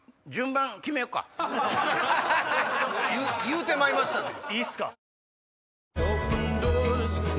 言うてまいましたね。